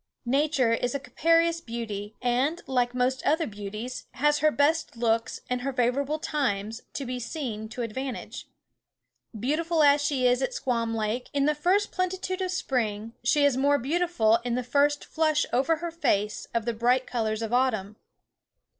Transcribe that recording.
Nature is a capricious beauty, and, like most other beauties, has her best looks, and her favourable times, to be seen to advantage. Beautiful as she is at Squawm Lake in the first plenitude of spring, she is more beautiful in the first flush over her face of the bright colours of autumn.